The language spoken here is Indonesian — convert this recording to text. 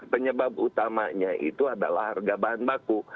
penyebab utamanya itu adalah harga bahan baku